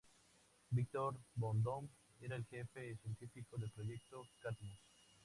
Victor Von Doom era el jefe científico del Proyecto Cadmus.